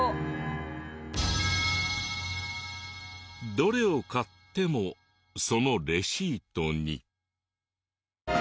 どれを買ってもそのレシートに。